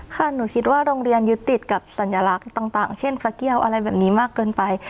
หนูคิดว่าโรงเรียนยึดติดกับสัญลักษณ์ต่างเช่นพระเกี่ยวอะไรแบบนี้มากเกินไป